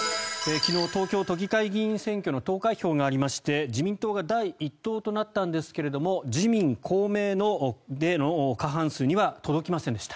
昨日、東京都議会議員選挙の投開票がありまして自民党が第１党となったんですが自民・公明での過半数には届きませんでした。